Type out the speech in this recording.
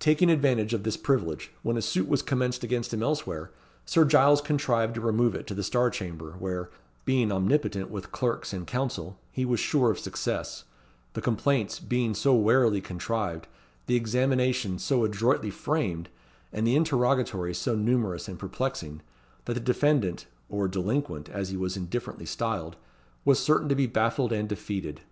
Taking advantage of this privilege, when a suit was commenced against him elsewhere, Sir Giles contrived to remove it to the Star Chamber, where, being omnipotent with clerks and counsel, he was sure of success, the complaints being so warily contrived, the examinations so adroitly framed, and the interrogatories so numerous and perplexing, that the defendant, or delinquent, as he was indifferently styled, was certain to be baffled and defeated.